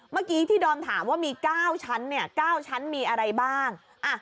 เมื่อกี้ที่ดอมถามว่ามี๙ชั้น๙ชั้นมีอะไรบ้าง